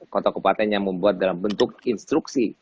kota kepaten yang membuat dalam bentuk instruksi